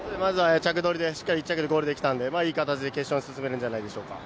着取りで、しっかり１着でゴールできたのでいい形で決勝に進めるんじゃないでしょうか。